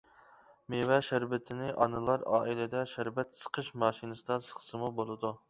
مېۋە شەربىتىنى ئانىلار ئائىلىدە شەربەت سىقىش ماشىنىسىدا سىقسىمۇ بولىدۇ.